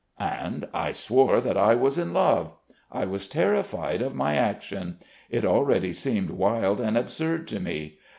"And I swore that I was in love. I was terrified of my action. It already seemed wild and absurd to me.